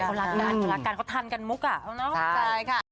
เขารักกันเขารักกันเขาทันกันมุกอ่ะเนอะใช่ค่ะ